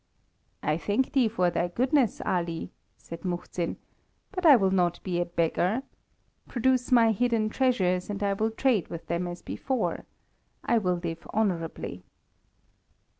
"I thank thee for thy goodness, Ali," said Muhzin; "but I will not be a beggar. Produce my hidden treasures, and I will trade with them as before. I will live honourably."